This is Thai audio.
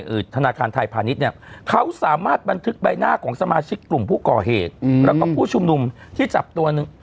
ธนาคารไทยพาณิชย์เนี่ยเขาสามารถบันทึกใบหน้าของสมาชิกกลุ่มผู้ก่อเหตุอืมแล้วก็ผู้ชุมนุมที่จับตัวหนึ่ง